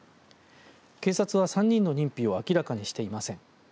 警察は３人の認否を明らかにしていません。